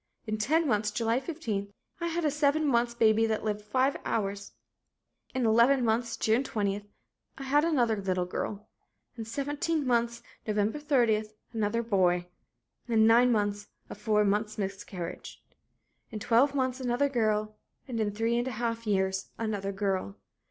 In ten months, July 15, I had a seven months baby that lived five hours. In eleven months, June 20, I had another little girl. In seventeen months, Nov. 30, another boy. In nine months a four months' miscarriage. In twelve months another girl, and in three and a half years another girl.